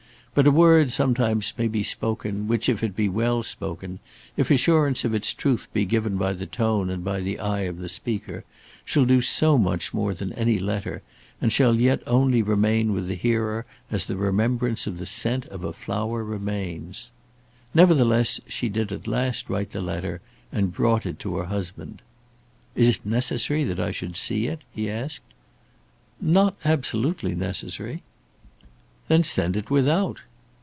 But a word sometimes may be spoken which, if it be well spoken, if assurance of its truth be given by the tone and by the eye of the speaker, shall do so much more than any letter, and shall yet only remain with the hearer as the remembrance of the scent of a flower remains! Nevertheless she did at last write the letter, and brought it to her husband. "Is it necessary that I should see it?" he asked. "Not absolutely necessary." "Then send it without."